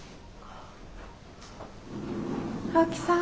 青木さん。